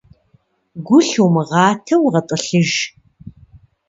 Гу лъумыгъатэу гъэтӏылъыж.